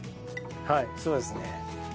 はいそうですね。